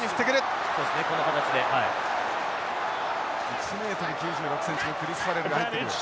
１ｍ９６ｃｍのクリスファレルが入ってくる。